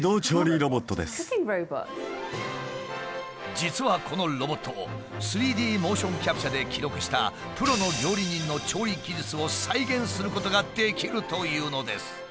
実はこのロボット３Ｄモーションキャプチャーで記録したプロの料理人の調理技術を再現することができるというのです。